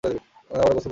না, ওর গোসল করা দরকার।